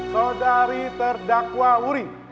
saudari terdakwa uri